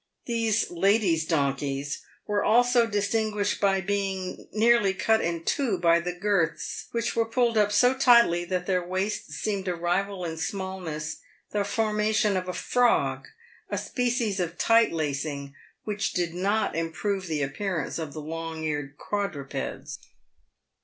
These " ladies' donkeys" were also distinguished by being nearly cut in two by the girths, which were pulled up so tightly that their waists seemed to rival in smallness the formation of the frog — a species of tight lacing which did not improve the appearance of the long eared quadrupeds.